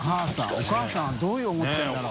お母さんどう思ってるんだろう？